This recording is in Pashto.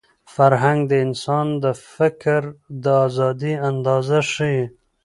فرهنګ د انسان د فکر د ازادۍ اندازه ښيي.